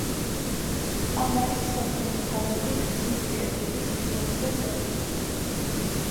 კამარის საბჯენი თაღები გრძივი კედლების პილასტრებს ეყრდნობა.